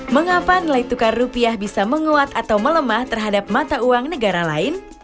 mengapa nilai tukar rupiah bisa menguat atau melemah terhadap mata uang negara lain